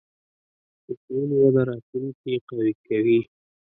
د ښوونې وده راتلونکې قوي کوي.